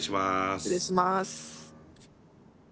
失礼します。